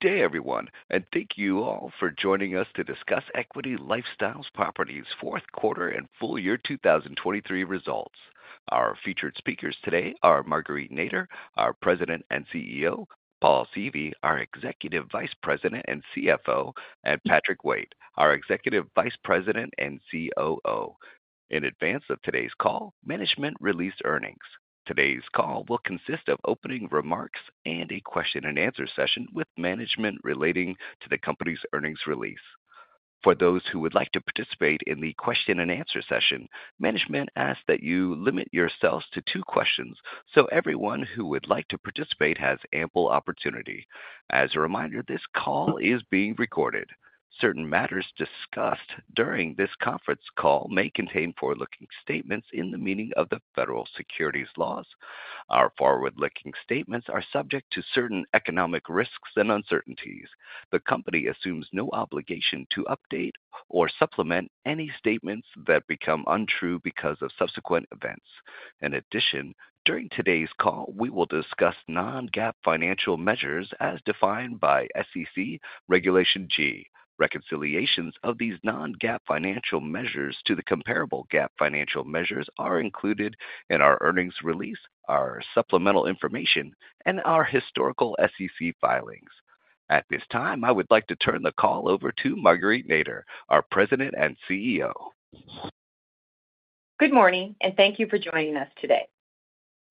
Good day, everyone, and thank you all for joining us to discuss Equity LifeStyle Properties' fourth quarter and full year 2023 results. Our featured speakers today are Marguerite Nader, our President and CEO; Paul Seavey, our Executive Vice President and CFO; and Patrick Waite, our Executive Vice President and COO. In advance of today's call, management released earnings. Today's call will consist of opening remarks and a question-and-answer session with management relating to the company's earnings release. For those who would like to participate in the question-and-answer session, management asks that you limit yourselves to two questions so everyone who would like to participate has ample opportunity. As a reminder, this call is being recorded. Certain matters discussed during this conference call may contain forward-looking statements in the meaning of the federal securities laws. Our forward-looking statements are subject to certain economic risks and uncertainties. The company assumes no obligation to update or supplement any statements that become untrue because of subsequent events. In addition, during today's call, we will discuss non-GAAP financial measures as defined by SEC Regulation G. Reconciliations of these non-GAAP financial measures to the comparable GAAP financial measures are included in our earnings release, our supplemental information, and our historical SEC filings. At this time, I would like to turn the call over to Marguerite Nader, our President and CEO. Good morning, and thank you for joining us today.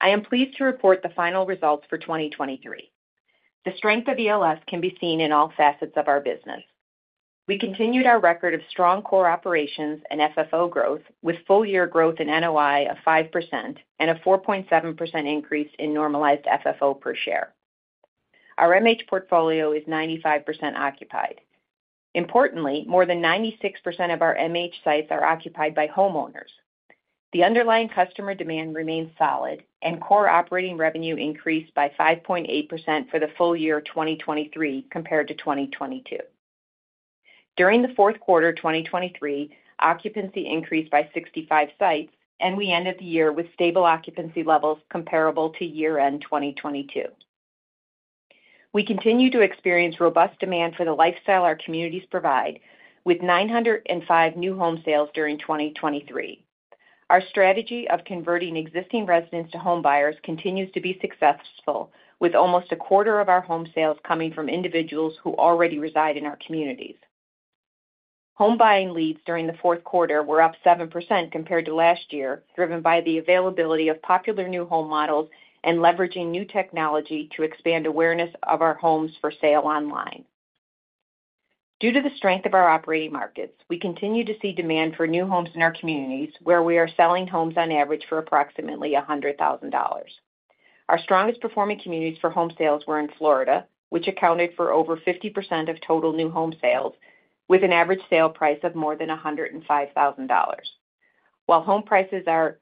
I am pleased to report the final results for 2023. The strength of ELS can be seen in all facets of our business. We continued our record of strong core operations and FFO growth, with full-year growth in NOI of 5% and a 4.7% increase in normalized FFO per share. Our MH portfolio is 95% occupied. Importantly, more than 96% of our MH sites are occupied by homeowners. The underlying customer demand remains solid, and core operating revenue increased by 5.8% for the full year 2023 compared to 2022. During the fourth quarter 2023, occupancy increased by 65 sites, and we ended the year with stable occupancy levels comparable to year-end 2022. We continue to experience robust demand for the lifestyle our communities provide, with 905 new home sales during 2023. Our strategy of converting existing residents to home buyers continues to be successful, with almost a quarter of our home sales coming from individuals who already reside in our communities. Home buying leads during the fourth quarter were up 7% compared to last year, driven by the availability of popular new home models and leveraging new technology to expand awareness of our homes for sale online. Due to the strength of our operating markets, we continue to see demand for new homes in our communities, where we are selling homes on average for approximately $100,000. Our strongest performing communities for home sales were in Florida, which accounted for over 50% of total new home sales, with an average sale price of more than $105,000. While home prices are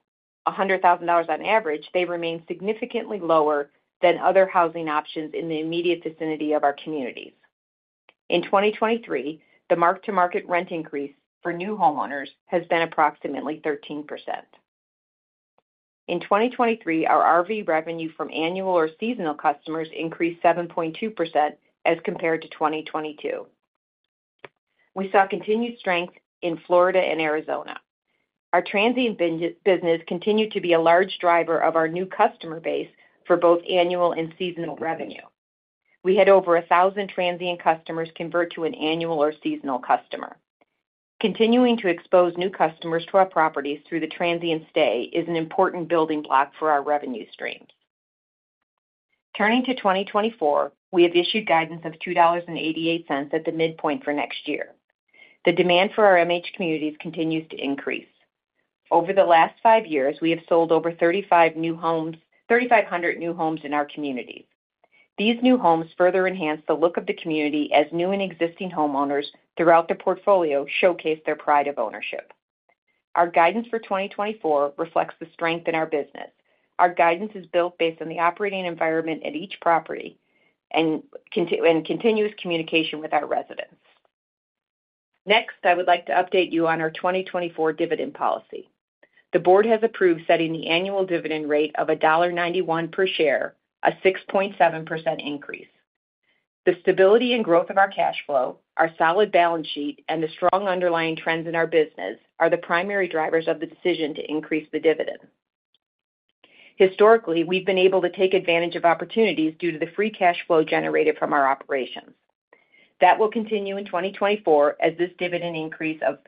$100,000 on average, they remain significantly lower than other housing options in the immediate vicinity of our communities. In 2023, the mark-to-market rent increase for new homeowners has been approximately 13%. In 2023, our RV revenue from annual or seasonal customers increased 7.2% as compared to 2022. We saw continued strength in Florida and Arizona. Our transient business continued to be a large driver of our new customer base for both annual and seasonal revenue. We had over 1,000 transient customers convert to an annual or seasonal customer. Continuing to expose new customers to our properties through the transient stay is an important building block for our revenue stream. Turning to 2024, we have issued guidance of $2.88 at the midpoint for next year. The demand for our MH communities continues to increase. Over the last five years, we have sold over 3,500 new homes in our communities. These new homes further enhance the look of the community as new and existing homeowners throughout the portfolio showcase their pride of ownership. Our guidance for 2024 reflects the strength in our business. Our guidance is built based on the operating environment at each property and continuous communication with our residents. Next, I would like to update you on our 2024 dividend policy. The board has approved setting the annual dividend rate of $1.91 per share, a 6.7% increase. The stability and growth of our cash flow, our solid balance sheet, and the strong underlying trends in our business are the primary drivers of the decision to increase the dividend. Historically, we've been able to take advantage of opportunities due to the free cash flow generated from our operations. That will continue in 2024, as this dividend increase of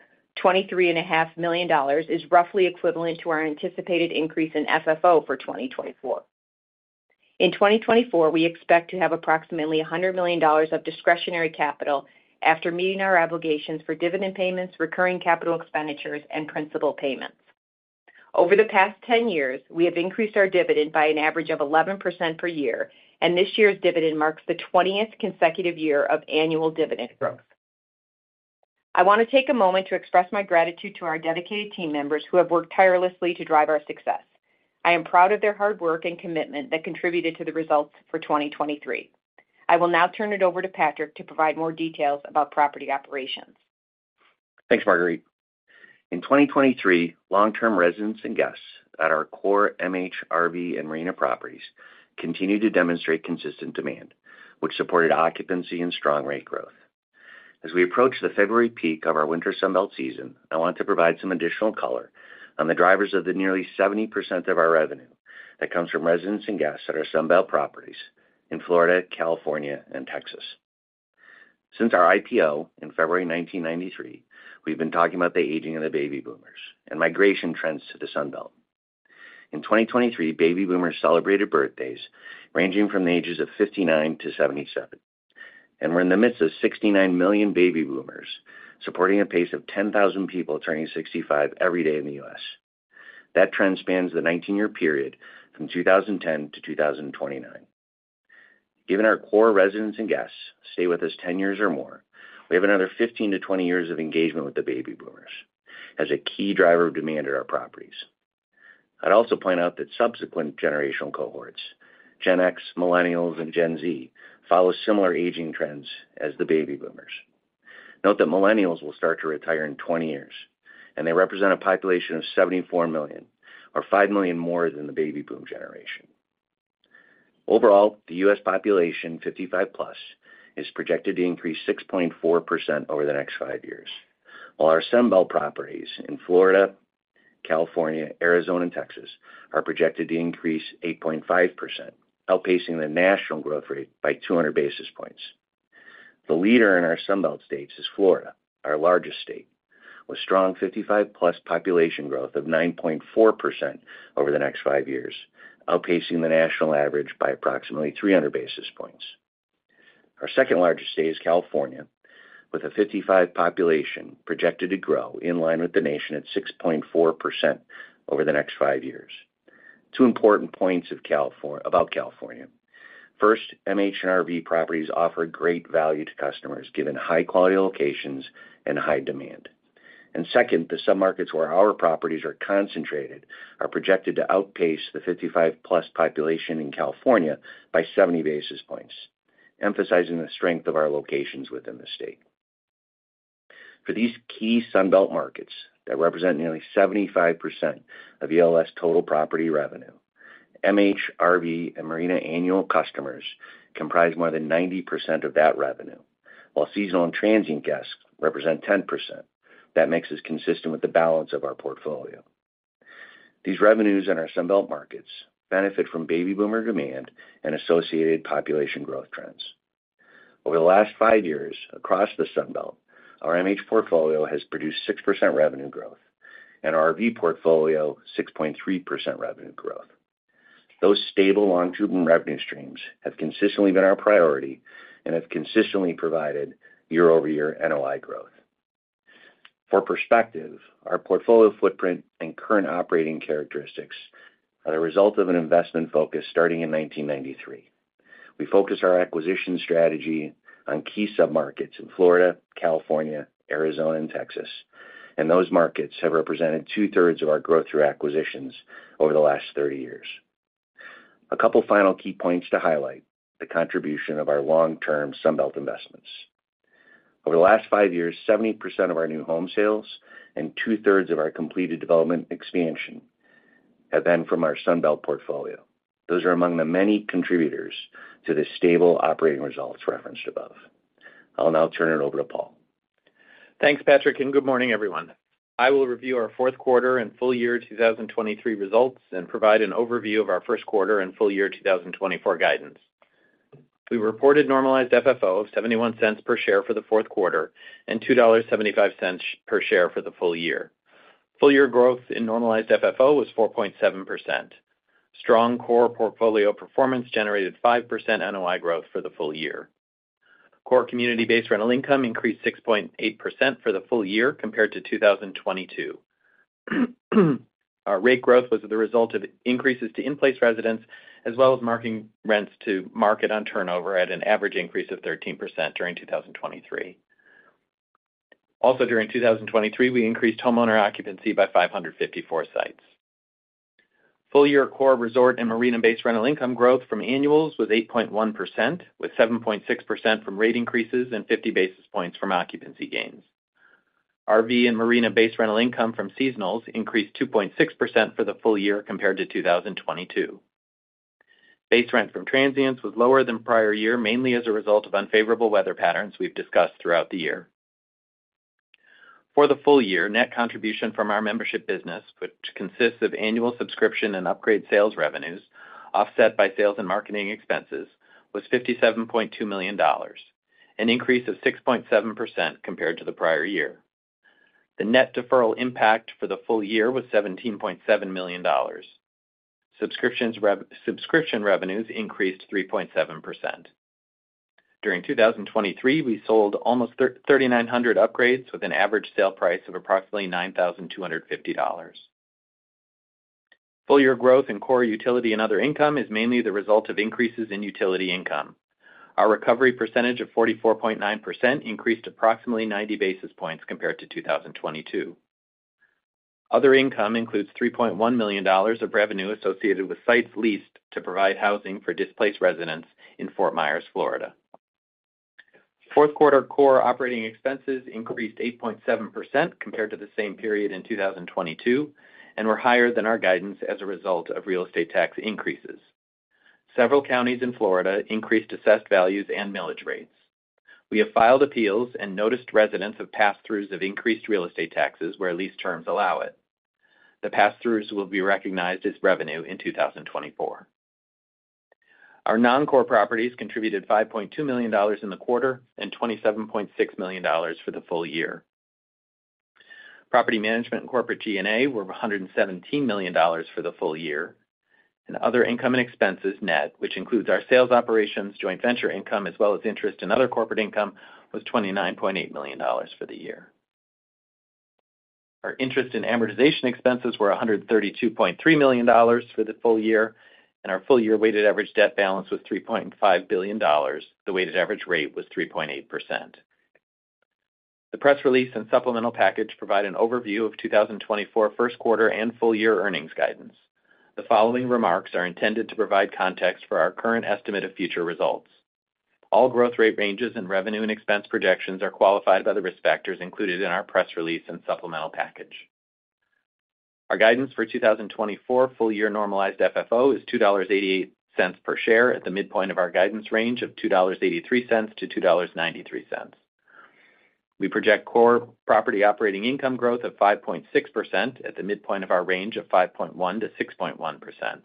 $23.5 million is roughly equivalent to our anticipated increase in FFO for 2024. In 2024, we expect to have approximately $100 million of discretionary capital after meeting our obligations for dividend payments, recurring capital expenditures, and principal payments. Over the past 10 years, we have increased our dividend by an average of 11% per year, and this year's dividend marks the 20th consecutive year of annual dividend growth. I want to take a moment to express my gratitude to our dedicated team members who have worked tirelessly to drive our success. I am proud of their hard work and commitment that contributed to the results for 2023. I will now turn it over to Patrick to provide more details about property operations.... Thanks, Marguerite. In 2023, long-term residents and guests at our core MH, RV, and marina properties continued to demonstrate consistent demand, which supported occupancy and strong rate growth. As we approach the February peak of our winter Sun Belt season, I want to provide some additional color on the drivers of the nearly 70% of our revenue that comes from residents and guests at our Sun Belt properties in Florida, California, and Texas. Since our IPO in February 1993, we've been talking about the aging of the Baby Boomers and migration trends to the Sun Belt. In 2023, Baby Boomers celebrated birthdays ranging from the ages of 59 to 77, and we're in the midst of 69 million Baby Boomers, supporting a pace of 10,000 people turning 65 every day in the U.S. That trend spans the 19-year period from 2010 to 2029. Given our core residents and guests stay with us 10 years or more, we have another 15-20 years of engagement with the Baby Boomers as a key driver of demand at our properties. I'd also point out that subsequent generational cohorts, Gen X, Millennials, and Gen Z, follow similar aging trends as the Baby Boomers. Note that Millennials will start to retire in 20 years, and they represent a population of 74 million, or 5 million more than the Baby Boom generation. Overall, the U.S. population, 55+, is projected to increase 6.4% over the next 5 years, while our Sun Belt properties in Florida, California, Arizona, and Texas are projected to increase 8.5%, outpacing the national growth rate by 200 basis points. The leader in our Sun Belt states is Florida, our largest state, with strong 55+ population growth of 9.4% over the next 5 years, outpacing the national average by approximately 300 basis points. Our second largest state is California, with a 55+ population projected to grow in line with the nation at 6.4% over the next 5 years. Two important points about California. First, MH and RV properties offer great value to customers, given high-quality locations and high demand. And second, the submarkets where our properties are concentrated are projected to outpace the 55+ population in California by 70 basis points, emphasizing the strength of our locations within the state. For these key Sun Belt markets that represent nearly 75% of ELS' total property revenue, MH, RV, and marina annual customers comprise more than 90% of that revenue, while seasonal and transient guests represent 10%. That makes us consistent with the balance of our portfolio. These revenues in our Sun Belt markets benefit from Baby Boomer demand and associated population growth trends. Over the last five years across the Sun Belt, our MH portfolio has produced 6% revenue growth, and our RV portfolio, 6.3% revenue growth. Those stable, long-term revenue streams have consistently been our priority and have consistently provided year-over-year NOI growth. For perspective, our portfolio footprint and current operating characteristics are the result of an investment focus starting in 1993. We focused our acquisition strategy on key submarkets in Florida, California, Arizona, and Texas, and those markets have represented two-thirds of our growth through acquisitions over the last 30 years. A couple final key points to highlight the contribution of our long-term Sun Belt investments. Over the last 5 years, 70% of our new home sales and two-thirds of our completed development expansion have been from our Sun Belt portfolio. Those are among the many contributors to the stable operating results referenced above. I'll now turn it over to Paul. Thanks, Patrick, and good morning, everyone. I will review our fourth quarter and full year 2023 results and provide an overview of our first quarter and full year 2024 guidance. We reported normalized FFO of $0.71 per share for the fourth quarter and $2.75 per share for the full year. Full-year growth in normalized FFO was 4.7%. Strong core portfolio performance generated 5% NOI growth for the full year. Core community-based rental income increased 6.8% for the full year compared to 2022. Our rate growth was the result of increases to in-place residents, as well as marking rents to market on turnover at an average increase of 13% during 2023. Also, during 2023, we increased homeowner occupancy by 554 sites. Full-year core resort and marina-based rental income growth from annuals was 8.1%, with 7.6% from rate increases and 50 basis points from occupancy gains. RV and marina base rental income from seasonals increased 2.6% for the full year compared to 2022. Base rent from transients was lower than prior year, mainly as a result of unfavorable weather patterns we've discussed throughout the year. For the full year, net contribution from our membership business, which consists of annual subscription and upgrade sales revenues, offset by sales and marketing expenses, was $57.2 million, an increase of 6.7% compared to the prior year. The net deferral impact for the full year was $17.7 million. Subscription revenues increased 3.7%. During 2023, we sold almost 3,900 upgrades, with an average sale price of approximately $9,250. Full-year growth in core utility and other income is mainly the result of increases in utility income. Our recovery percentage of 44.9% increased approximately 90 basis points compared to 2022. Other income includes $3.1 million of revenue associated with sites leased to provide housing for displaced residents in Fort Myers, Florida. Fourth quarter core operating expenses increased 8.7% compared to the same period in 2022, and were higher than our guidance as a result of real estate tax increases. Several counties in Florida increased assessed values and millage rates. We have filed appeals and notified residents of pass-throughs of increased real estate taxes where lease terms allow it. The pass-throughs will be recognized as revenue in 2024. Our non-core properties contributed $5.2 million in the quarter and $27.6 million for the full year. Property management and corporate G&A were $117 million for the full year, and other income and expenses net, which includes our sales operations, joint venture income, as well as interest in other corporate income, was $29.8 million for the year. Our interest and amortization expenses were $132.3 million for the full year, and our full year weighted average debt balance was $3.5 billion. The weighted average rate was 3.8%. The press release and supplemental package provide an overview of 2024 first quarter and full year earnings guidance. The following remarks are intended to provide context for our current estimate of future results. All growth rate ranges and revenue and expense projections are qualified by the risk factors included in our press release and supplemental package. Our guidance for 2024 full year normalized FFO is $2.88 per share at the midpoint of our guidance range of $2.83-$2.93. We project core property operating income growth of 5.6% at the midpoint of our range of 5.1%-6.1%.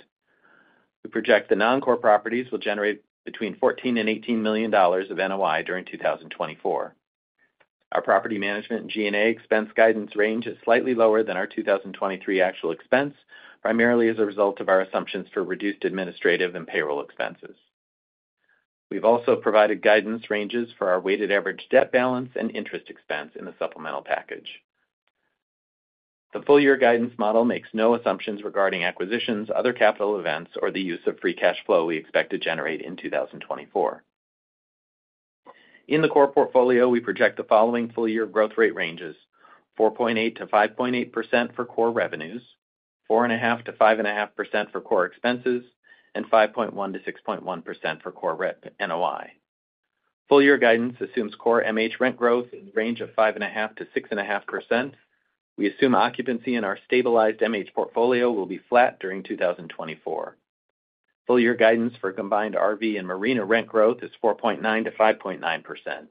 We project the non-core properties will generate between $14 million and $18 million of NOI during 2024. Our property management and G&A expense guidance range is slightly lower than our 2023 actual expense, primarily as a result of our assumptions for reduced administrative and payroll expenses. We've also provided guidance ranges for our weighted average debt balance and interest expense in the supplemental package. The full year guidance model makes no assumptions regarding acquisitions, other capital events, or the use of free cash flow we expect to generate in 2024. In the core portfolio, we project the following full year growth rate ranges: 4.8%-5.8% for core revenues, 4.5%-5.5% for core expenses, and 5.1%-6.1% for core NOI. Full year guidance assumes core MH rent growth in the range of 5.5%-6.5%. We assume occupancy in our stabilized MH portfolio will be flat during 2024. Full year guidance for combined RV and marina rent growth is 4.9%-5.9%.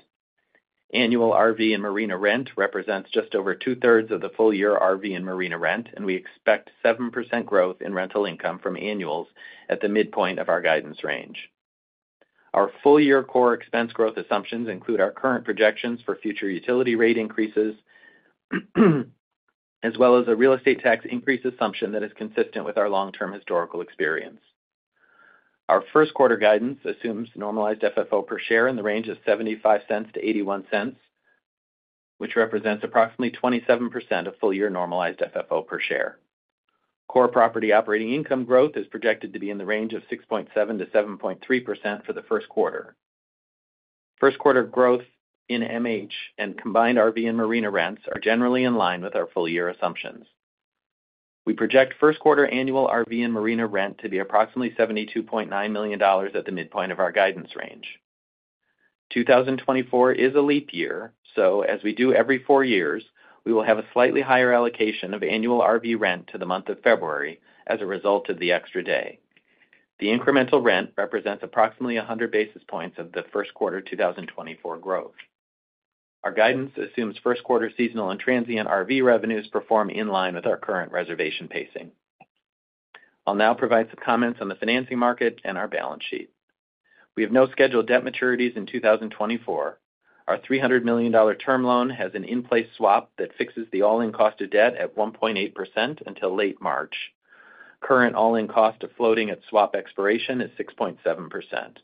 Annual RV and marina rent represents just over two-thirds of the full year RV and marina rent, and we expect 7% growth in rental income from annuals at the midpoint of our guidance range. Our full year core expense growth assumptions include our current projections for future utility rate increases, as well as a real estate tax increase assumption that is consistent with our long-term historical experience. Our first quarter guidance assumes normalized FFO per share in the range of $0.75-$0.81, which represents approximately 27% of full-year normalized FFO per share. Core property operating income growth is projected to be in the range of 6.7%-7.3% for the first quarter. First quarter growth in MH and combined RV and marina rents are generally in line with our full year assumptions. We project first quarter annual RV and marina rent to be approximately $72.9 million at the midpoint of our guidance range. 2024 is a leap year, so as we do every four years, we will have a slightly higher allocation of annual RV rent to the month of February as a result of the extra day. The incremental rent represents approximately 100 basis points of the first quarter 2024 growth. Our guidance assumes first quarter seasonal and transient RV revenues perform in line with our current reservation pacing. I'll now provide some comments on the financing market and our balance sheet. We have no scheduled debt maturities in 2024. Our $300 million term loan has an in-place swap that fixes the all-in cost of debt at 1.8% until late March. Current all-in cost of floating at swap expiration is 6.7%.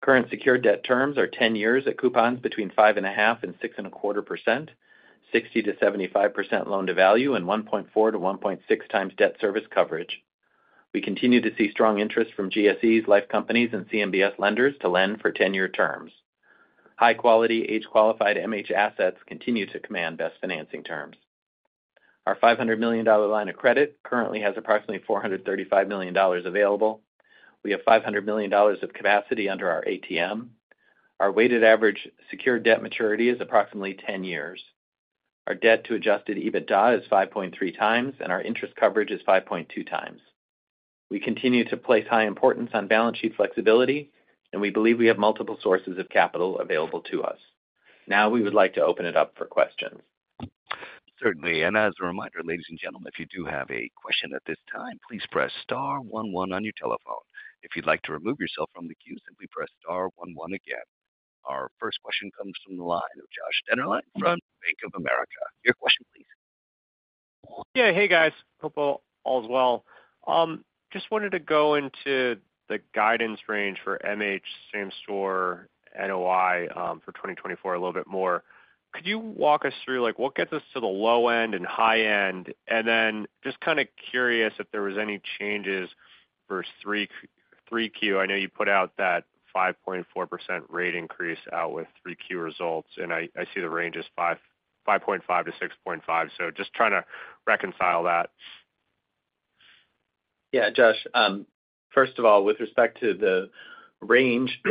Current secured debt terms are 10 years at coupons between 5.5% and 6.25%, 60%-75% loan to value and 1.4-1.6 times debt service coverage. We continue to see strong interest from GSEs, life companies, and CMBS lenders to lend for 10-year terms. High quality, age-qualified MH assets continue to command best financing terms. Our $500 million line of credit currently has approximately $435 million available. We have $500 million of capacity under our ATM. Our weighted average secured debt maturity is approximately 10 years. Our debt to adjusted EBITDA is 5.3 times, and our interest coverage is 5.2 times. We continue to place high importance on balance sheet flexibility, and we believe we have multiple sources of capital available to us. Now we would like to open it up for questions. Certainly. And as a reminder, ladies and gentlemen, if you do have a question at this time, please press star one one on your telephone. If you'd like to remove yourself from the queue, simply press star one one again. Our first question comes from the line of Josh Dennerlein from Bank of America. Your question, please. Yeah. Hey, guys. Hope all is well. Just wanted to go into the guidance range for MH same-store NOI for 2024 a little bit more. Could you walk us through, like, what gets us to the low end and high end? And then just kind of curious if there was any changes for Q3. I know you put out that 5.4% rate increase out with Q3 results, and I, I see the range is 5.5%-6.5%. So just trying to reconcile that.... Yeah, Josh, first of all, with respect to the range,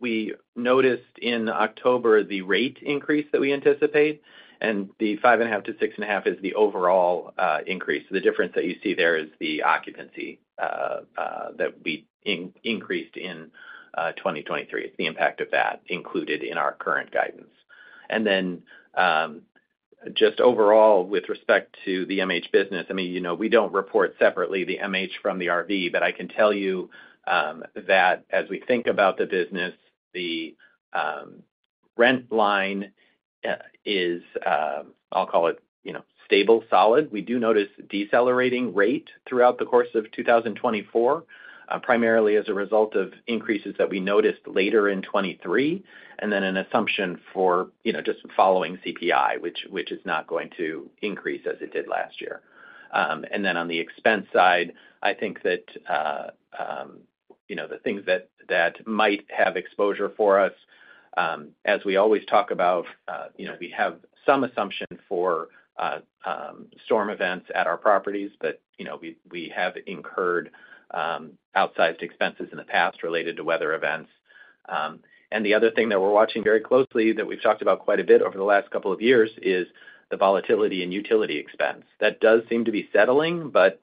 we noticed in October the rate increase that we anticipate, and the 5.5-6.5 is the overall increase. The difference that you see there is the occupancy that we increased in 2023. It's the impact of that included in our current guidance. And then, just overall, with respect to the MH business, I mean, you know, we don't report separately the MH from the RV, but I can tell you that as we think about the business, the rent line is, I'll call it, you know, stable, solid. We do notice decelerating rate throughout the course of 2024, primarily as a result of increases that we noticed later in 2023, and then an assumption for, you know, just following CPI, which is not going to increase as it did last year. And then on the expense side, I think that, you know, the things that might have exposure for us, as we always talk about, you know, we have some assumption for storm events at our properties, but, you know, we have incurred outsized expenses in the past related to weather events. And the other thing that we're watching very closely, that we've talked about quite a bit over the last couple of years, is the volatility in utility expense. That does seem to be settling, but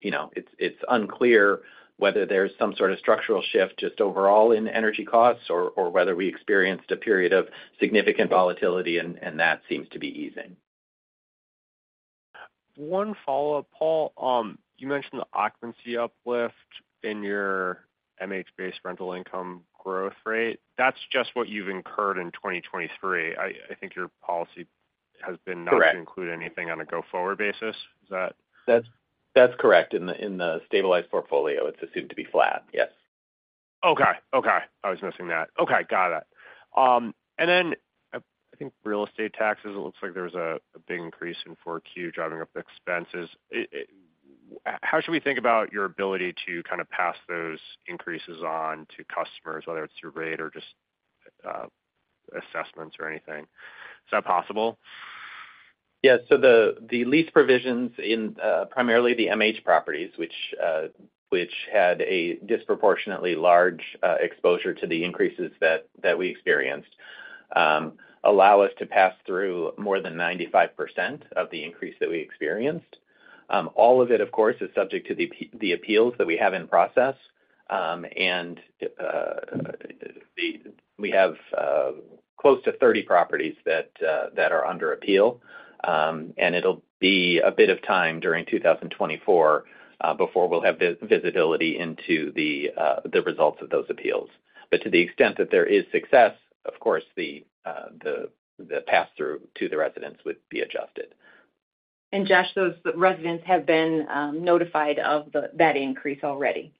you know, it's unclear whether there's some sort of structural shift just overall in energy costs or whether we experienced a period of significant volatility, and that seems to be easing. One follow-up, Paul. You mentioned the occupancy uplift in your MH-based rental income growth rate. That's just what you've incurred in 2023. I think your policy has been- Correct. -not to include anything on a go-forward basis. Is that- That's correct. In the stabilized portfolio, it's assumed to be flat. Yes. Okay. Okay, I was missing that. Okay, got it. And then, I think real estate taxes, it looks like there was a big increase in 4Q driving up the expenses. How should we think about your ability to kind of pass those increases on to customers, whether it's through rate or just assessments or anything? Is that possible? Yeah. So the lease provisions in primarily the MH properties, which had a disproportionately large exposure to the increases that we experienced, allow us to pass through more than 95% of the increase that we experienced. All of it, of course, is subject to the appeals that we have in process. And we have close to 30 properties that are under appeal. And it'll be a bit of time during 2024 before we'll have visibility into the results of those appeals. But to the extent that there is success, of course, the pass-through to the residents would be adjusted. Josh, those residents have been notified of that increase already.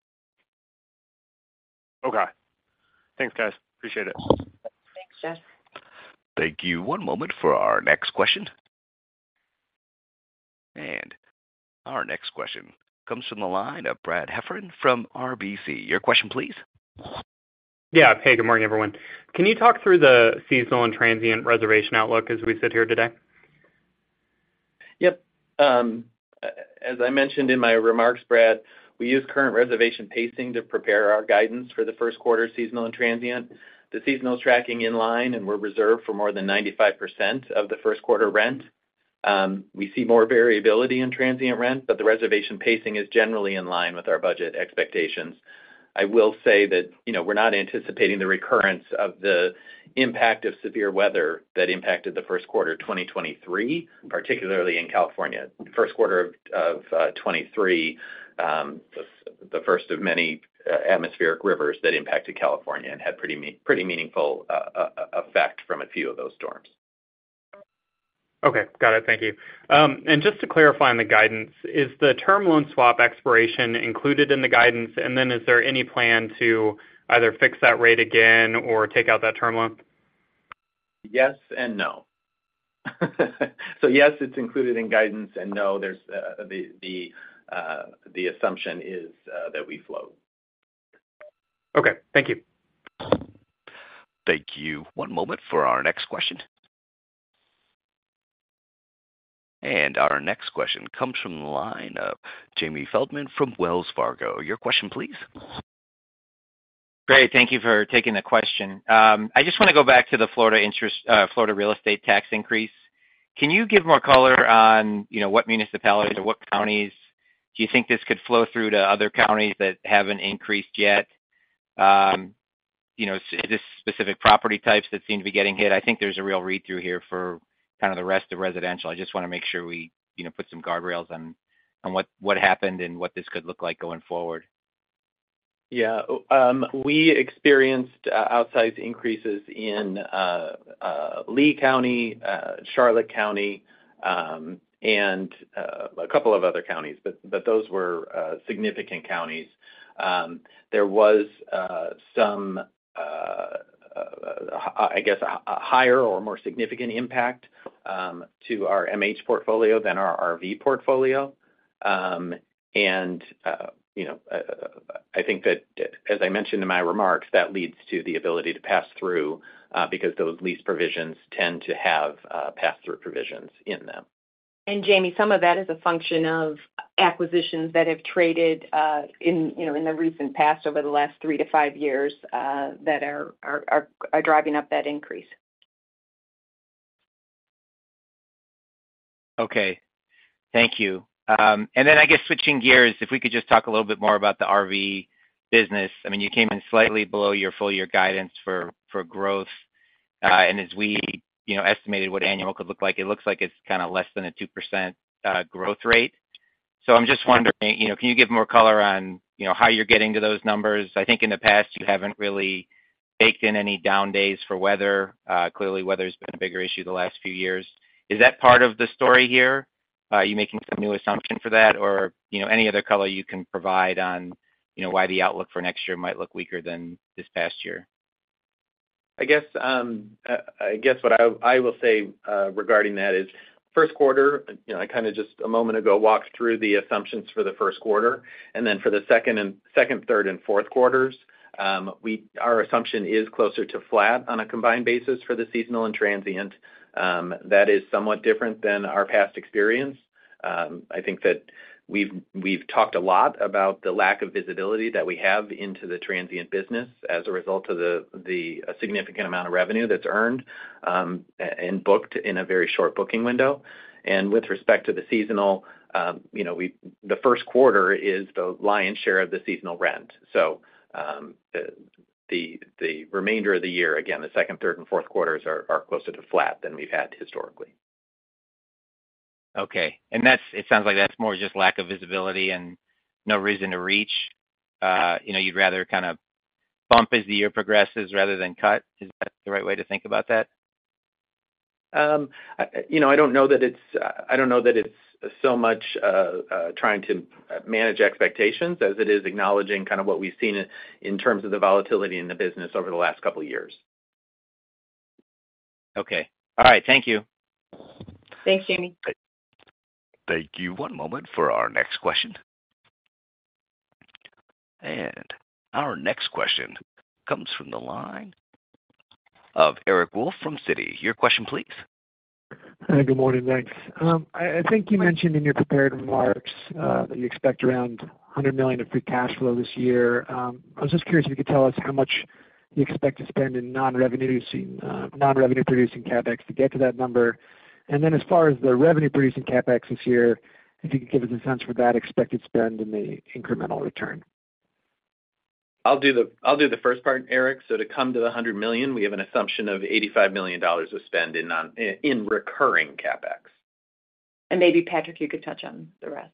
Okay. Thanks, guys. Appreciate it. Thanks, Josh. Thank you. One moment for our next question. Our next question comes from the line of Brad Heffern from RBC. Your question, please. Yeah. Hey, good morning, everyone. Can you talk through the seasonal and transient reservation outlook as we sit here today? Yep. As I mentioned in my remarks, Brad, we use current reservation pacing to prepare our guidance for the first quarter, seasonal and transient. The seasonal is tracking in line, and we're reserved for more than 95% of the first quarter rent. We see more variability in transient rent, but the reservation pacing is generally in line with our budget expectations. I will say that, you know, we're not anticipating the recurrence of the impact of severe weather that impacted the first quarter of 2023, particularly in California. First quarter of 2023, the first of many atmospheric rivers that impacted California and had pretty meaningful effect from a few of those storms. Okay. Got it. Thank you. Just to clarify on the guidance, is the term loan swap expiration included in the guidance, and then is there any plan to either fix that rate again or take out that term loan? Yes and no. So yes, it's included in guidance, and no, there's the assumption is that we float. Okay, thank you. Thank you. One moment for our next question. Our next question comes from the line of Jamie Feldman from Wells Fargo. Your question, please. Great. Thank you for taking the question. I just want to go back to the Florida interest, Florida real estate tax increase. Can you give more color on, you know, what municipalities or what counties do you think this could flow through to other counties that haven't increased yet? You know, this specific property types that seem to be getting hit, I think there's a real read-through here for kind of the rest of residential. I just want to make sure we, you know, put some guardrails on, on what, what happened and what this could look like going forward. Yeah. We experienced outsized increases in Lee County, Charlotte County, and a couple of other counties, but those were significant counties. There was some I guess, a higher or more significant impact to our MH portfolio than our RV portfolio. And you know, I think that, as I mentioned in my remarks, that leads to the ability to pass through, because those lease provisions tend to have pass-through provisions in them. ... And Jamie, some of that is a function of acquisitions that have traded in, you know, in the recent past, over the last 3-5 years, that are driving up that increase. Okay. Thank you. And then I guess switching gears, if we could just talk a little bit more about the RV business. I mean, you came in slightly below your full year guidance for growth. And as we, you know, estimated what annual could look like, it looks like it's kinda less than a 2% growth rate. So I'm just wondering, you know, can you give more color on, you know, how you're getting to those numbers? I think in the past, you haven't really baked in any down days for weather. Clearly, weather's been a bigger issue the last few years. Is that part of the story here? Are you making some new assumption for that, or, you know, any other color you can provide on, you know, why the outlook for next year might look weaker than this past year? I guess what I will say regarding that is first quarter, you know, I kind of just a moment ago walked through the assumptions for the first quarter, and then for the second, third, and fourth quarters, our assumption is closer to flat on a combined basis for the seasonal and transient. That is somewhat different than our past experience. I think that we've talked a lot about the lack of visibility that we have into the transient business as a result of the significant amount of revenue that's earned and booked in a very short booking window. And with respect to the seasonal, you know, the first quarter is the lion's share of the seasonal rent. So, the remainder of the year, again, the second, third, and fourth quarters are closer to flat than we've had historically. Okay. And it sounds like that's more just lack of visibility and no reason to reach. You know, you'd rather kind of bump as the year progresses rather than cut. Is that the right way to think about that? You know, I don't know that it's so much trying to manage expectations as it is acknowledging kind of what we've seen in terms of the volatility in the business over the last couple of years. Okay. All right, thank you. Thanks, Jamie. Thank you. One moment for our next question. Our next question comes from the line of Eric Wolfe from Citi. Your question, please. Hi, good morning, thanks. I think you mentioned in your prepared remarks that you expect around $100 million of free cash flow this year. I was just curious if you could tell us how much you expect to spend in non-revenue producing, non-revenue producing CapEx to get to that number. And then as far as the revenue-producing CapEx this year, if you could give us a sense for that expected spend and the incremental return. I'll do the first part, Eric. So to come to the 100 million, we have an assumption of $85 million of spend in non-recurring CapEx. Maybe, Patrick, you could touch on the rest.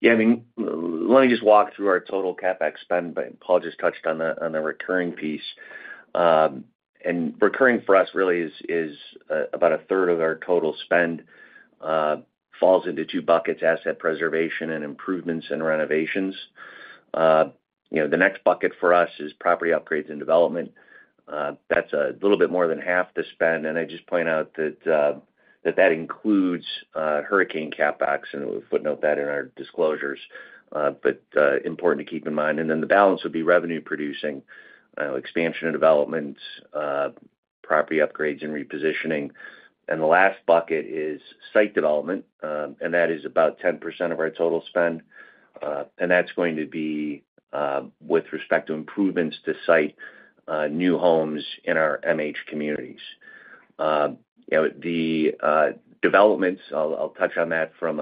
Yeah, I mean, let me just walk through our total CapEx spend, but Paul just touched on the recurring piece. And recurring for us really is about a third of our total spend, falls into two buckets: asset preservation and improvements in renovations. You know, the next bucket for us is property upgrades and development. That's a little bit more than half the spend, and I just point out that that includes hurricane CapEx, and we footnote that in our disclosures, but important to keep in mind. And then the balance would be revenue-producing expansion and development, property upgrades and repositioning. And the last bucket is site development, and that is about 10% of our total spend, and that's going to be with respect to improvements to site, new homes in our MH communities. You know, the developments, I'll touch on that from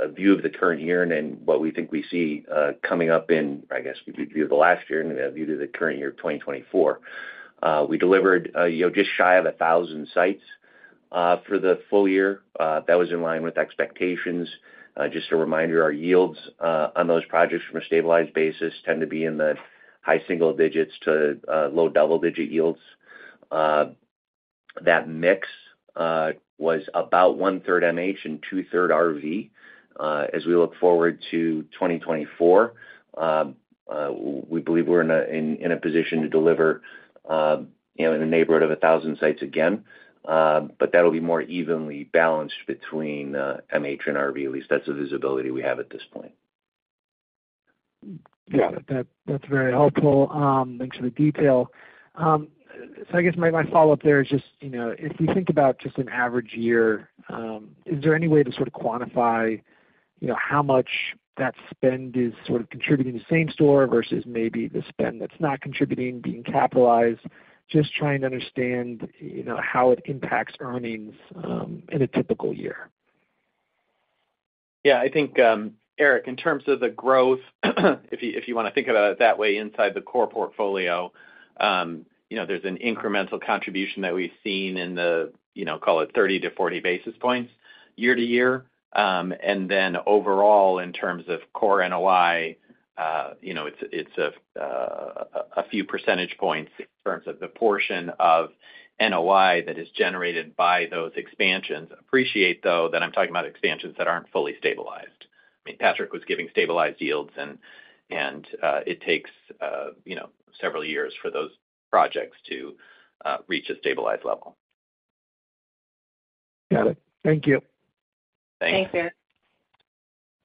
a view of the current year and then what we think we see coming up in, I guess, we do the last year and view to the current year, 2024. We delivered, you know, just shy of 1,000 sites for the full year. That was in line with expectations. Just a reminder, our yields on those projects from a stabilized basis tend to be in the high single digits to low double-digit yields. That mix was about one-third MH and two-thirds RV. As we look forward to 2024, we believe we're in a position to deliver, you know, in the neighborhood of 1,000 sites again, but that'll be more evenly balanced between MH and RV. At least that's the visibility we have at this point. Yeah, that, that's very helpful. Thanks for the detail. So I guess my follow-up there is just, you know, if you think about just an average year, is there any way to sort of quantify, you know, how much that spend is sort of contributing to same store versus maybe the spend that's not contributing, being capitalized? Just trying to understand, you know, how it impacts earnings, in a typical year. Yeah, I think, Eric, in terms of the growth, if you, if you want to think about it that way inside the core portfolio, you know, there's an incremental contribution that we've seen in the, you know, call it 30-40 basis points year-over-year. And then overall, in terms of core NOI, you know, it's a few percentage points in terms of the portion of NOI that is generated by those expansions. Appreciate, though, that I'm talking about expansions that aren't fully stabilized. I mean, Patrick was giving stabilized yields, and it takes, you know, several years for those projects to reach a stabilized level. Got it. Thank you. Thanks. Thanks, Eric.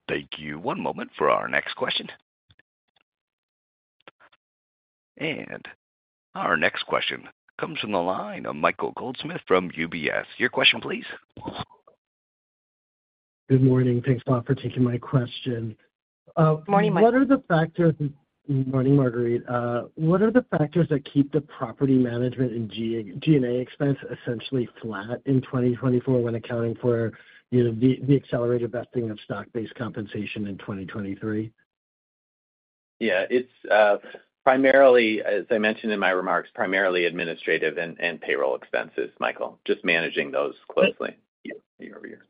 Thank you. One moment for our next question. And our next question comes from the line of Michael Goldsmith from UBS. Your question, please. Good morning. Thanks a lot for taking my question. Morning, Michael. Morning, Marguerite. What are the factors that keep the property management and G&A expense essentially flat in 2024 when accounting for, you know, the accelerated vesting of stock-based compensation in 2023? Yeah, it's primarily, as I mentioned in my remarks, primarily administrative and payroll expenses, Michael, just managing those closely year over year.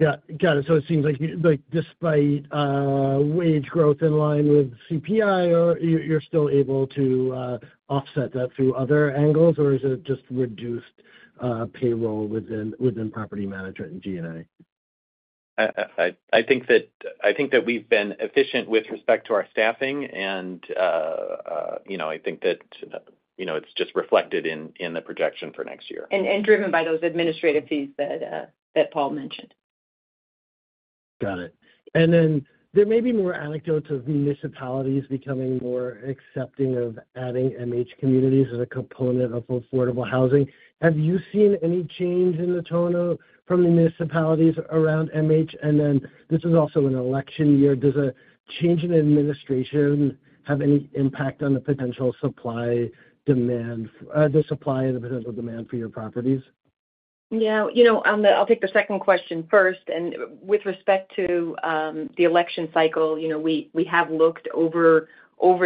Yeah. Got it. So it seems like, despite wage growth in line with CPI, you're still able to offset that through other angles, or is it just reduced payroll within property management and G&A? I think that we've been efficient with respect to our staffing, and you know, I think that you know, it's just reflected in the projection for next year. And driven by those administrative fees that Paul mentioned. Got it. And then there may be more anecdotes of municipalities becoming more accepting of adding MH communities as a component of affordable housing. Have you seen any change in the tone of, from the municipalities around MH? And then this is also an election year. Does a change in administration have any impact on the potential supply, demand, the supply and the potential demand for your properties? Yeah, you know, I'll take the second question first, and with respect to the election cycle, you know, we have looked over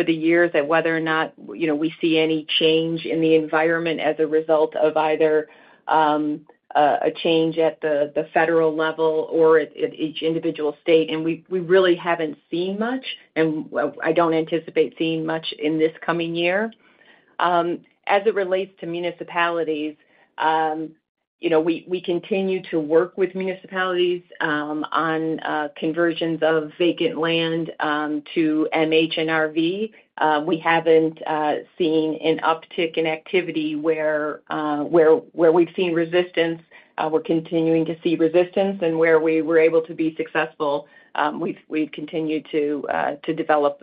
the years at whether or not, you know, we see any change in the environment as a result of either a change at the federal level or at each individual state. We really haven't seen much, and I don't anticipate seeing much in this coming year. As it relates to municipalities, you know, we continue to work with municipalities on conversions of vacant land to MH and RV. We haven't seen an uptick in activity. Where we've seen resistance, we're continuing to see resistance, and where we were able to be successful, we've continued to develop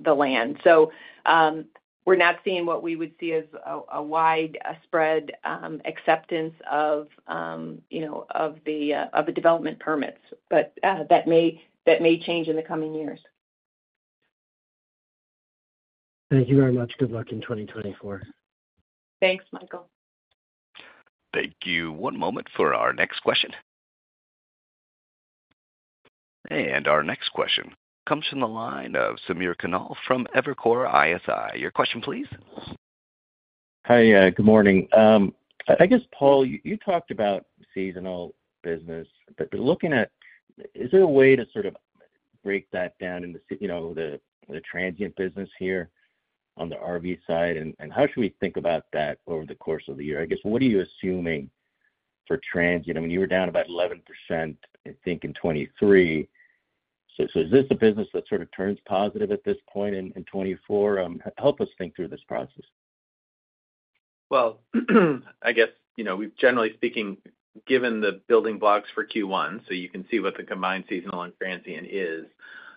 the land. So, we're not seeing what we would see as a widespread acceptance of, you know, of the development permits. But, that may change in the coming years. Thank you very much. Good luck in 2024. Thanks, Michael. Thank you. One moment for our next question. Our next question comes from the line of Samir Khanal from Evercore ISI. Your question, please. Hi, good morning. I guess, Paul, you talked about seasonal business, but looking at, is there a way to sort of break that down in the, you know, the transient business here on the RV side? And how should we think about that over the course of the year? I guess, what are you assuming for transient? I mean, you were down about 11%, I think, in 2023. So, is this a business that sort of turns positive at this point in 2024? Help us think through this process. Well, I guess, you know, we've generally speaking given the building blocks for Q1, so you can see what the combined seasonal and transient is.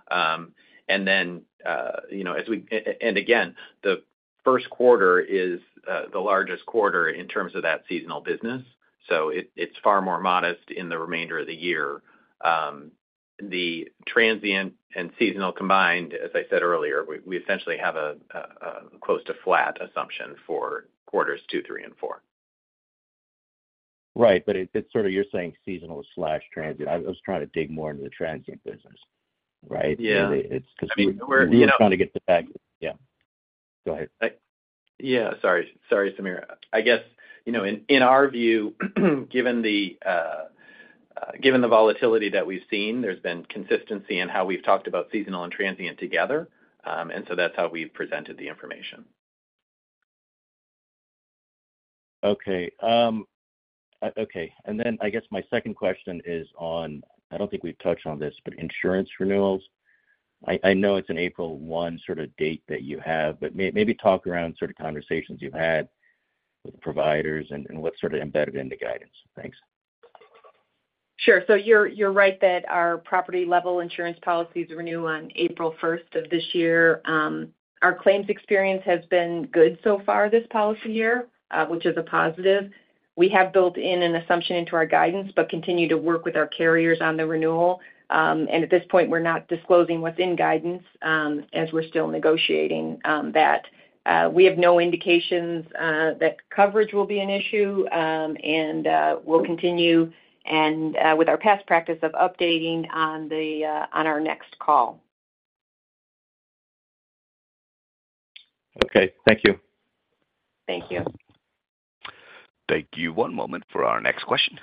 And then, you know, and again, the first quarter is the largest quarter in terms of that seasonal business, so it's far more modest in the remainder of the year. The transient and seasonal combined, as I said earlier, we essentially have a close to flat assumption for quarters two, three, and four. Right. But it, it's sort of you're saying seasonal/transient. I was trying to dig more into the transient business, right? Yeah. It's because- I mean, we're, you know- We were trying to get the fact... Yeah, go ahead. Yeah, sorry. Sorry, Samir. I guess, you know, in, in our view, given the volatility that we've seen, there's been consistency in how we've talked about seasonal and transient together. And so that's how we've presented the information. Okay, okay. And then I guess my second question is on, I don't think we've touched on this, but insurance renewals. I know it's an April 1 sort of date that you have, but maybe talk around sort of conversations you've had with providers and, and what's sort of embedded in the guidance. Thanks. Sure. So you're right that our property-level insurance policies renew on April first of this year. Our claims experience has been good so far this policy year, which is a positive. We have built in an assumption into our guidance, but continue to work with our carriers on the renewal. And at this point, we're not disclosing what's in guidance, as we're still negotiating that. We have no indications that coverage will be an issue, and we'll continue with our past practice of updating on our next call. Okay. Thank you. Thank you. Thank you. One moment for our next question.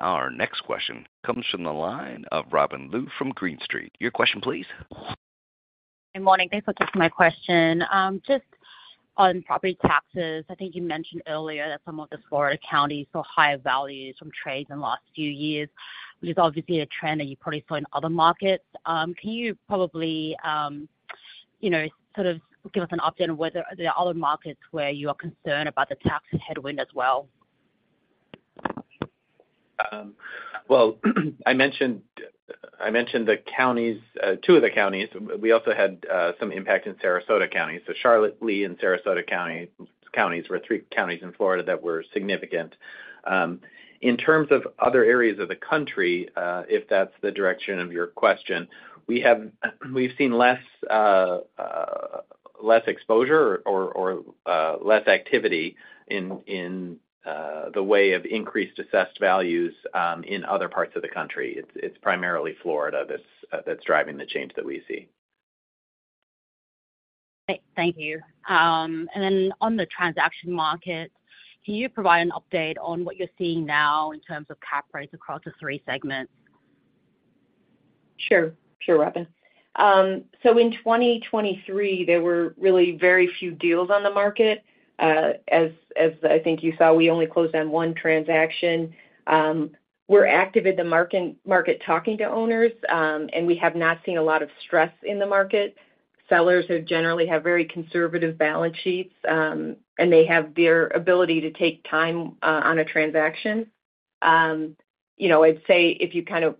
Our next question comes from the line of Robin Lu from Green Street. Your question, please. Good morning. Thanks for taking my question. Just on property taxes, I think you mentioned earlier that some of the Florida counties saw higher values from trades in the last few years, which is obviously a trend that you probably saw in other markets. Can you probably, you know, sort of give us an update on whether there are other markets where you are concerned about the tax headwind as well?... Well, I mentioned, I mentioned the counties, two of the counties. We also had some impact in Sarasota County. So Charlotte County, Lee County, and Sarasota County were three counties in Florida that were significant. In terms of other areas of the country, if that's the direction of your question, we have, we've seen less, less exposure or, or, less activity in, in, the way of increased assessed values, in other parts of the country. It's, it's primarily Florida that's, that's driving the change that we see. Thank you. And then on the transaction market, can you provide an update on what you're seeing now in terms of cap rates across the three segments? Sure. Sure, Robin. So in 2023, there were really very few deals on the market. As I think you saw, we only closed on 1 transaction. We're active in the market, talking to owners, and we have not seen a lot of stress in the market. Sellers who generally have very conservative balance sheets, and they have their ability to take time on a transaction. You know, I'd say if you kind of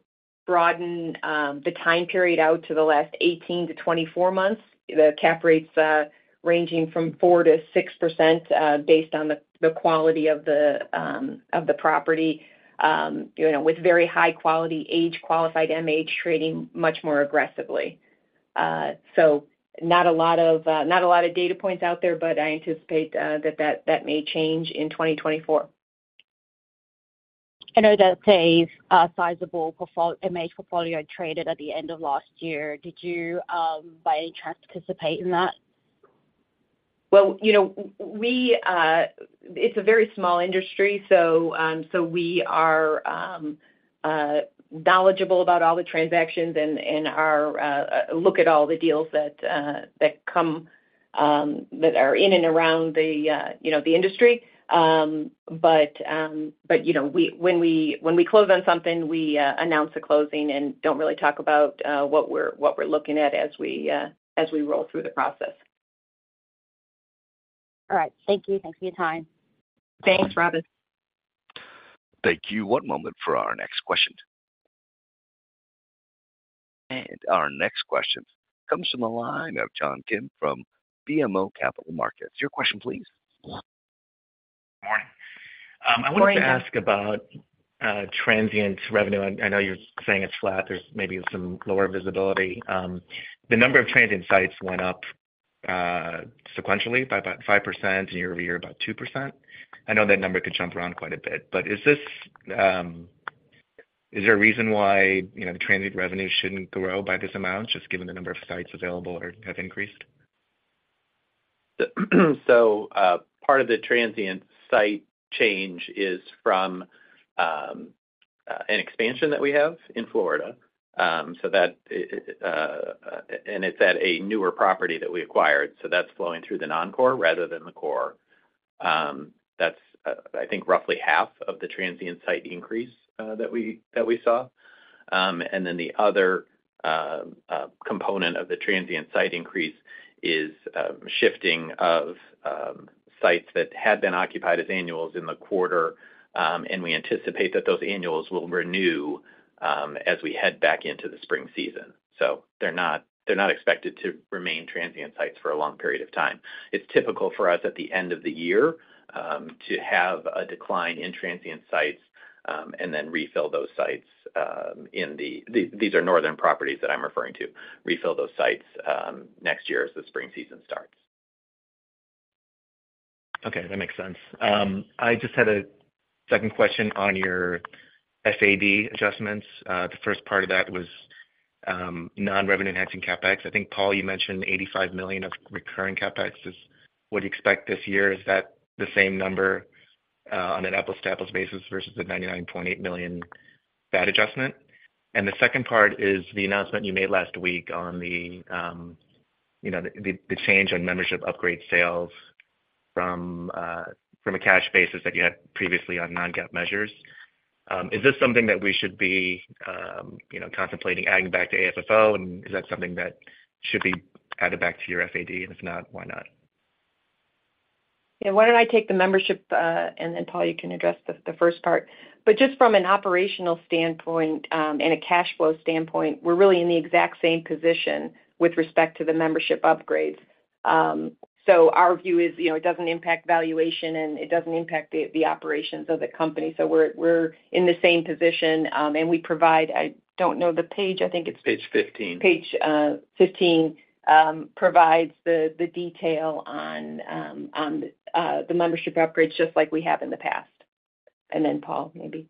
broaden the time period out to the last 18-24 months, the cap rates are ranging from 4%-6%, based on the quality of the property, you know, with very high-quality age-qualified MH trading much more aggressively. So not a lot of data points out there, but I anticipate that may change in 2024. I know that a sizable MH portfolio traded at the end of last year. Did you by any chance participate in that? Well, you know. It's a very small industry, so we are knowledgeable about all the transactions and look at all the deals that come that are in and around, you know, the industry. But you know, when we close on something, we announce the closing and don't really talk about what we're looking at as we roll through the process. All right. Thank you. Thanks for your time. Thanks, Robin. Thank you. One moment for our next question. Our next question comes from the line of John Kim from BMO Capital Markets. Your question, please. Good morning. Good morning. I wanted to ask about transient revenue. I know you're saying it's flat. There's maybe some lower visibility. The number of transient sites went up sequentially by about 5%, and year-over-year, about 2%. I know that number could jump around quite a bit, but is this, is there a reason why, you know, the transient revenue shouldn't grow by this amount, just given the number of sites available or have increased? So, part of the transient site change is from an expansion that we have in Florida. That and it's at a newer property that we acquired, so that's flowing through the non-core rather than the core. That's, I think, roughly half of the transient site increase that we saw. And then the other component of the transient site increase is shifting of sites that had been occupied as annuals in the quarter. And we anticipate that those annuals will renew as we head back into the spring season. So they're not expected to remain transient sites for a long period of time. It's typical for us at the end of the year to have a decline in transient sites and then refill those sites in the... These are northern properties that I'm referring to. Refill those sites next year as the spring season starts. Okay, that makes sense. I just had a second question on your FAD adjustments. The first part of that was non-revenue-enhancing CapEx. I think, Paul, you mentioned $85 million of recurring CapEx is what you expect this year. Is that the same number on an apples-to-apples basis versus the $99.8 million FAD adjustment? And the second part is the announcement you made last week on the, you know, the change on membership upgrade sales from a cash basis that you had previously on non-GAAP measures. Is this something that we should be, you know, contemplating adding back to AFFO, and is that something that should be added back to your FAD? And if not, why not? Yeah, why don't I take the membership, and then, Paul, you can address the first part. But just from an operational standpoint, and a cash flow standpoint, we're really in the exact same position with respect to the membership upgrades. So our view is, you know, it doesn't impact valuation, and it doesn't impact the operations of the company. So we're in the same position, and we provide... I don't know the page. I think it's- Page fifteen. Page 15 provides the detail on the membership upgrades, just like we have in the past. And then, Paul, maybe.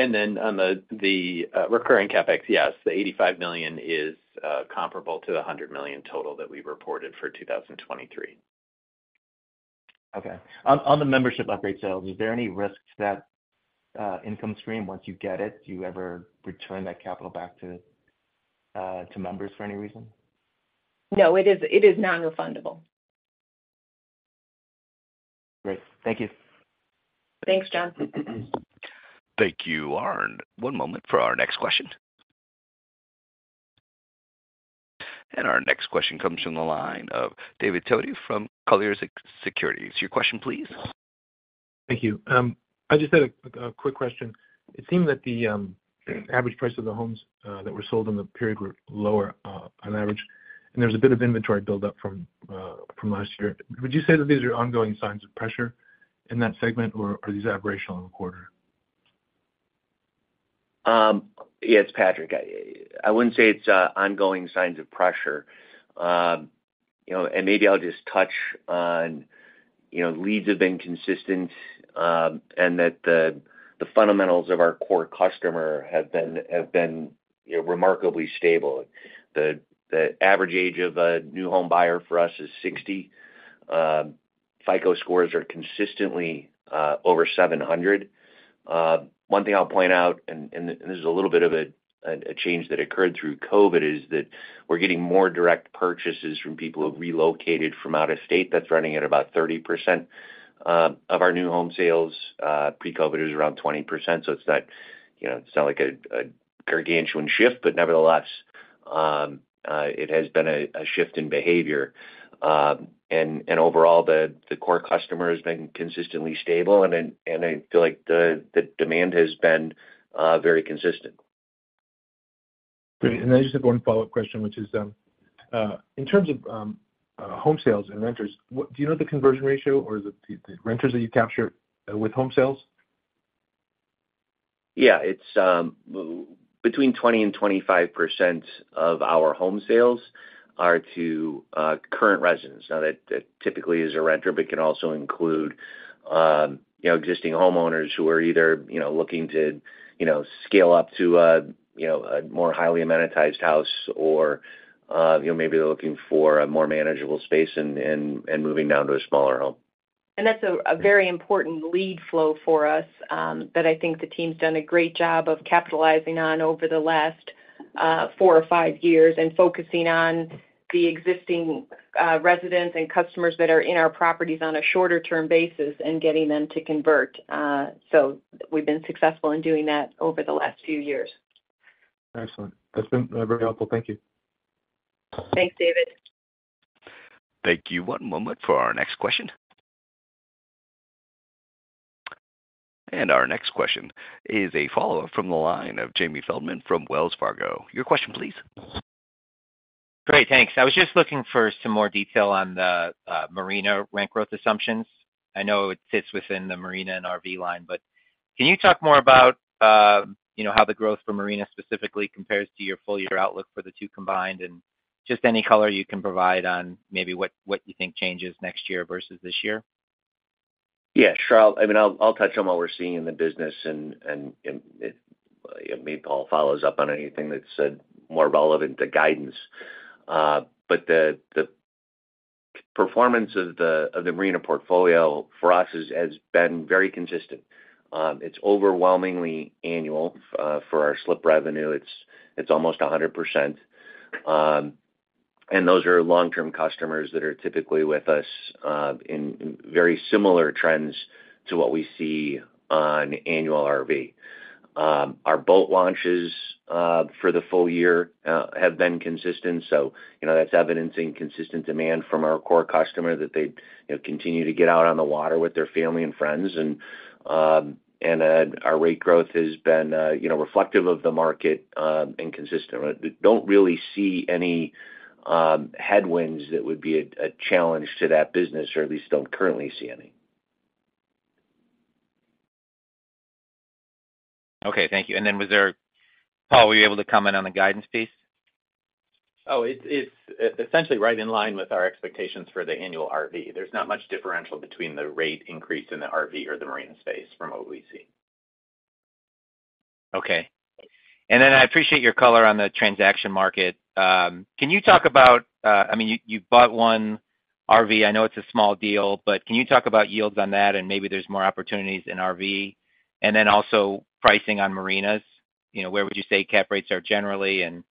And then on the recurring CapEx, yes, the $85 million is comparable to the $100 million total that we reported for 2023. Okay. On the membership upgrade sales, is there any risk to that income stream once you get it? Do you ever return that capital back to members for any reason? No, it is, it is non-refundable. Great. Thank you. Thanks, John. Thank you. One moment for our next question. ... And our next question comes from the line of David Toti from Colliers Securities. Your question, please. Thank you. I just had a quick question. It seemed that the average price of the homes that were sold in the period were lower on average, and there was a bit of inventory build up from last year. Would you say that these are ongoing signs of pressure in that segment, or is this aberrational in the quarter? Yeah, it's Patrick. I wouldn't say it's ongoing signs of pressure. You know, and maybe I'll just touch on, you know, leads have been consistent, and that the fundamentals of our core customer have been, you know, remarkably stable. The average age of a new home buyer for us is 60. FICO scores are consistently over 700. One thing I'll point out, this is a little bit of a change that occurred through COVID, is that we're getting more direct purchases from people who have relocated from out of state. That's running at about 30% of our new home sales. Pre-COVID, it was around 20%, so it's not, you know, it's not like a gargantuan shift, but nevertheless, it has been a shift in behavior. And overall, the core customer has been consistently stable, and then I feel like the demand has been very consistent. Great. And I just have one follow-up question, which is, in terms of home sales and renters, do you know the conversion ratio, or is it the renters that you capture with home sales? Yeah, it's between 20 and 25% of our home sales are to current residents. Now, that typically is a renter, but can also include you know existing homeowners who are either you know looking to you know scale up to a you know a more highly amenitized house or you know maybe they're looking for a more manageable space and moving down to a smaller home. And that's a very important lead flow for us, that I think the team's done a great job of capitalizing on over the last four or five years and focusing on the existing residents and customers that are in our properties on a shorter term basis and getting them to convert. So we've been successful in doing that over the last few years. Excellent. That's been very helpful. Thank you. Thanks, David. Thank you. One moment for our next question. Our next question is a follow-up from the line of Jamie Feldman from Wells Fargo. Your question, please. Great, thanks. I was just looking for some more detail on the marina rent growth assumptions. I know it fits within the marina and RV line, but can you talk more about, you know, how the growth for marina specifically compares to your full year outlook for the two combined? And just any color you can provide on maybe what you think changes next year versus this year. Yeah, sure. I mean, I'll touch on what we're seeing in the business and maybe Paul follows up on anything that's more relevant to guidance. But the performance of the marina portfolio for us has been very consistent. It's overwhelmingly annual. For our slip revenue, it's almost 100%. And those are long-term customers that are typically with us in very similar trends to what we see on annual RV. Our boat launches for the full year have been consistent. So, you know, that's evidencing consistent demand from our core customer that they, you know, continue to get out on the water with their family and friends. And our rate growth has been, you know, reflective of the market and consistent. We don't really see any headwinds that would be a challenge to that business, or at least don't currently see any. Okay, thank you. And then was there... Paul, were you able to comment on the guidance piece? Oh, it's essentially right in line with our expectations for the annual RV. There's not much differential between the rate increase in the RV or the marina space from what we see. Okay. And then I appreciate your color on the transaction market. Can you talk about, I mean, you, you bought one RV. I know it's a small deal, but can you talk about yields on that and maybe there's more opportunities in RV? And then also pricing on marinas, you know, where would you say cap rates are generally, and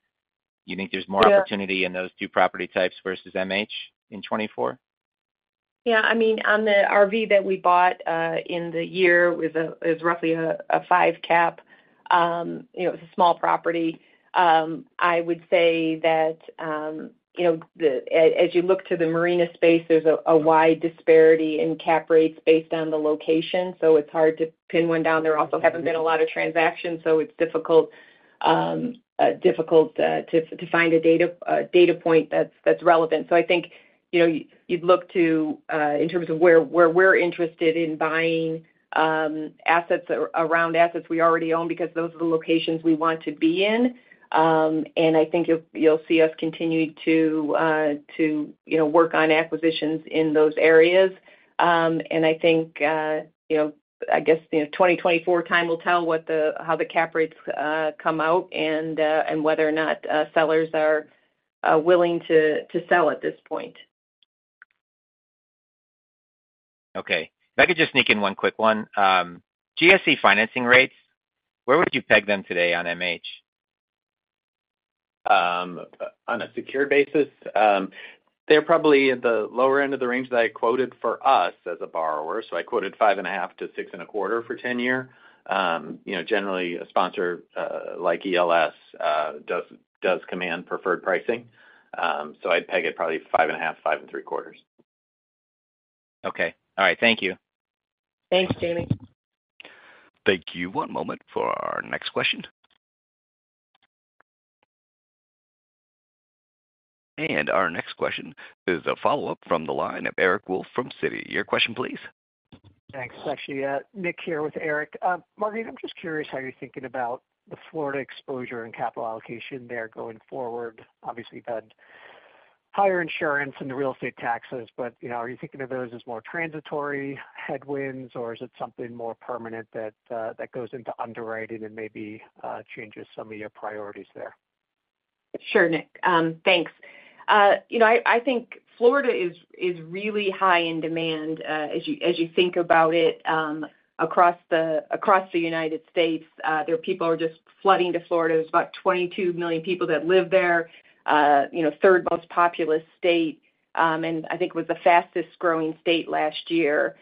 you think there's more opportunity- Yeah -in those two property types versus MH in 2024? Yeah. I mean, on the RV that we bought in the year, it was roughly a 5 cap. You know, it was a small property. I would say that, you know, the, as you look to the marina space, there's a wide disparity in cap rates based on the location, so it's hard to pin one down. There also haven't been a lot of transactions, so it's difficult to find a data point that's relevant. So I think, you know, you'd look to, in terms of where we're interested in buying assets around assets we already own, because those are the locations we want to be in. And I think you'll see us continue to, you know, work on acquisitions in those areas. I think, you know, I guess, you know, 2024 time will tell what the, how the cap rates come out and whether or not sellers are willing to sell at this point. Okay. If I could just sneak in one quick one. GSE financing rates, where would you peg them today on MH? On a secured basis,... They're probably at the lower end of the range that I quoted for us as a borrower, so I quoted 5.5-6.25 for 10-year. You know, generally a sponsor like ELS does command preferred pricing. So I'd peg it probably 5.5, 5.75. Okay. All right. Thank you. Thanks, Jamie. Thank you. One moment for our next question. Our next question is a follow-up from the line of Eric Wolfe from Citi. Your question, please. Thanks. Actually, Nick here with Eric. Marguerite, I'm just curious how you're thinking about the Florida exposure and capital allocation there going forward. Obviously, you've had higher insurance and the real estate taxes, but, you know, are you thinking of those as more transitory headwinds, or is it something more permanent that that goes into underwriting and maybe changes some of your priorities there? Sure, Nick. Thanks. You know, I think Florida is really high in demand, as you think about it, across the United States. There, people are just flooding to Florida. There's about 22 million people that live there, you know, third most populous state, and I think it was the fastest growing state last year.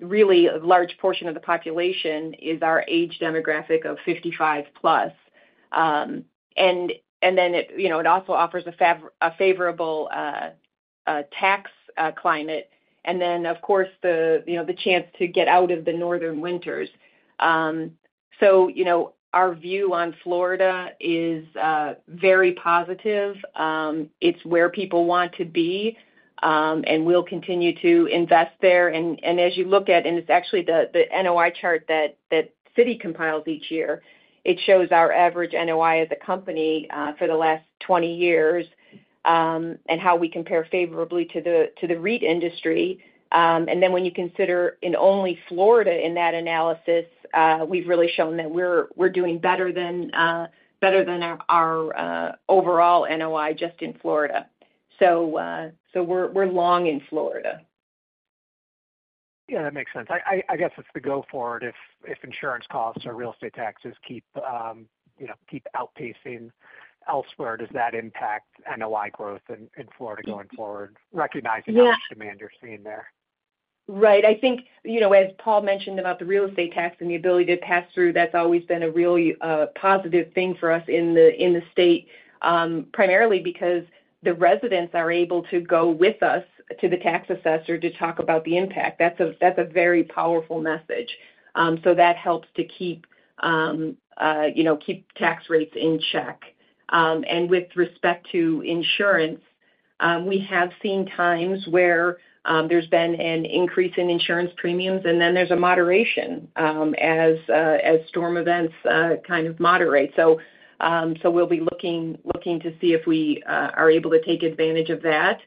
Really, a large portion of the population is our age demographic of 55+. And then it, you know, also offers a favorable tax climate and then, of course, the, you know, chance to get out of the northern winters. So, you know, our view on Florida is very positive. It's where people want to be, and we'll continue to invest there. As you look at, it's actually the NOI chart that Citi compiles each year. It shows our average NOI as a company for the last 20 years, and how we compare favorably to the REIT industry. And then when you consider in only Florida in that analysis, we've really shown that we're doing better than our overall NOI, just in Florida. So we're long in Florida. Yeah, that makes sense. I guess it's the go forward if insurance costs or real estate taxes keep, you know, keep outpacing elsewhere, does that impact NOI growth in Florida going forward, recognizing- Yeah. the demand you're seeing there? Right. I think, you know, as Paul mentioned about the real estate tax and the ability to pass through, that's always been a really positive thing for us in the state, primarily because the residents are able to go with us to the tax assessor to talk about the impact. That's a very powerful message. So that helps to keep, you know, tax rates in check. And with respect to insurance, we have seen times where there's been an increase in insurance premiums, and then there's a moderation, as storm events kind of moderate. So we'll be looking to see if we are able to take advantage of that.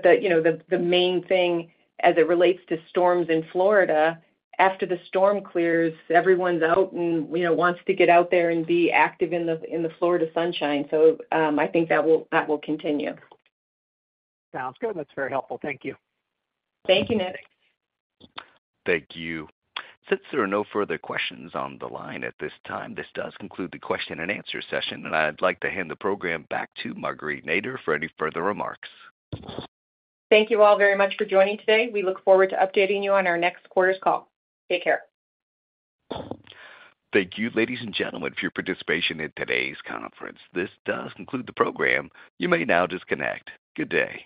But you know, the main thing as it relates to storms in Florida, after the storm clears, everyone's out and, you know, wants to get out there and be active in the Florida sunshine. So, I think that will continue. Sounds good. That's very helpful. Thank you. Thank you, Nick. Thank you. Since there are no further questions on the line at this time, this does conclude the question and answer session, and I'd like to hand the program back to Marguerite Nader for any further remarks. Thank you all very much for joining today. We look forward to updating you on our next quarter's call. Take care. Thank you, ladies and gentlemen, for your participation in today's conference. This does conclude the program. You may now disconnect. Good day.